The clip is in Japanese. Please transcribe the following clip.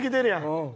うん。